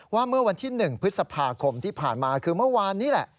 ว่าเมื่อวันที่๑พฤษภาคมที่ผ่านมาคือเมื่อวานนี้แหละ